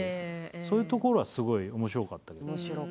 そういうところはすごい面白かったけどね。